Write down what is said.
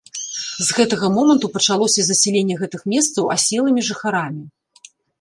З гэтага моманту пачалося засяленне гэтых месцаў аселымі жыхарамі.